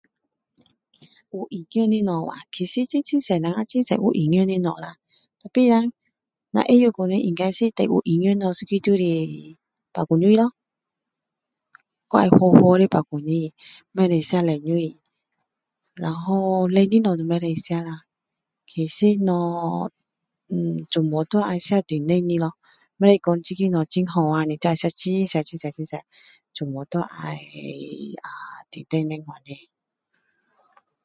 有营养的东西啊其实很多我们很多都是有营养的东西啦tapi叻那有说有营养的东西就是白开水咯要温温的白开水不可以喝冷水冷的东西都不可以吃啦其实东西全部都要吃中等的咯不可以说这个很好你就吃很多很多所以都要中等那样